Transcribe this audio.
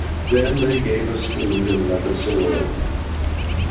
Then they gave us food and left us alone.